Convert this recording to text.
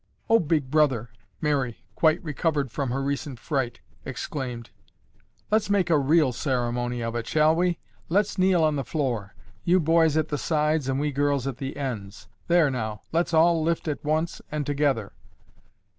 "Oh, Big Brother," Mary, quite recovered from her recent fright, exclaimed. "Let's make a real ceremony of it, shall we? Let's kneel on the floor; you boys at the sides and we girls at the ends. There now, let's all lift at once and together."